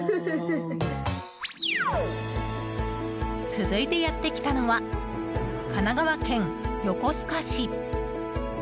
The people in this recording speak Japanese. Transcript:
続いてやってきたのは神奈川県横須賀市。